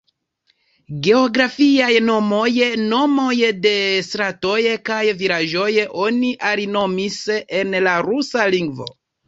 Geografiaj nomoj, nomoj de stratoj kaj vilaĝoj oni alinomis en la rusa lingvo.